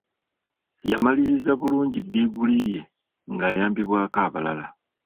Yamalirizza bulungi ddigiri ye nga ayambibwako abalala.